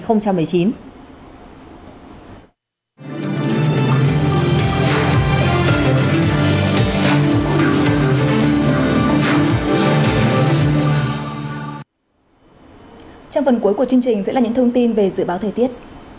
trong phần cuối của chương trình sẽ là những thông tin về dự báo thời tiết